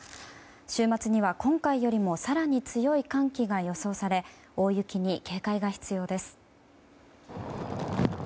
週末には今回よりも更に強い寒気が予想され大雪に警戒が必要です。